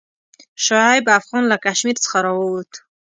شعیب افغان له کشمیر څخه راووت.